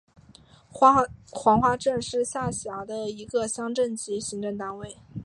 黄花镇是下辖的一个乡镇级行政单位。